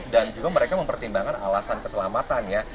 dan juga mereka mempertimbangkan alasan keselamatan ya